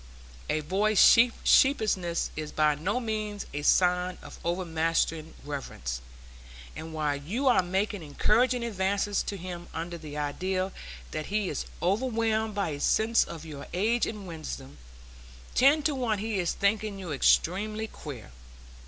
A boy's sheepishness is by no means a sign of overmastering reverence; and while you are making encouraging advances to him under the idea that he is overwhelmed by a sense of your age and wisdom, ten to one he is thinking you extremely queer.